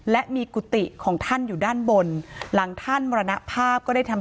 และมีกุฏิของท่านอยู่ด้านบนหลังท่านมรณภาพก็ได้ทำ